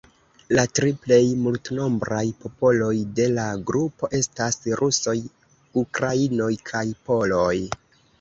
La tri plej multnombraj popoloj de la grupo estas rusoj, ukrainoj kaj poloj.